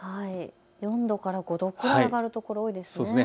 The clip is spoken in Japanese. ４度から５度くらい上がる所が多いですね。